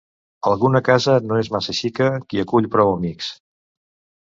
Alguna casa no és massa xica qui acull prou amics.